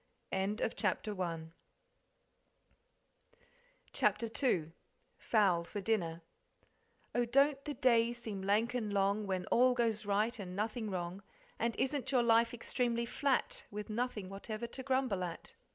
CHAPTER II Fowl for Dinner "Oh, don't the days seem lank and long When all goes right and nothing wrong; And isn't your life extremely flat With nothing whatever to grumble at?"